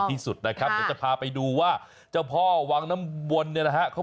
ที่สุดนะครับเดี๋ยวจะพาไปดูว่าเจ้าพ่อวังน้ำวนเนี่ยนะฮะเขา